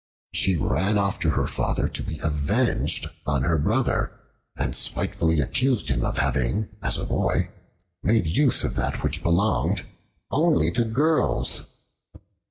She ran off to her father, to be avenged on her Brother, and spitefully accused him of having, as a boy, made use of that which belonged only to girls.